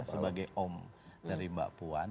sebagai om dari mbak puan